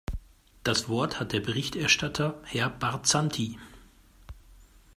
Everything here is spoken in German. Das Wort hat der Berichterstatter, Herr Barzanti.